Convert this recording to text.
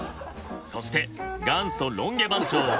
そして元祖ロン毛番長北澤豪。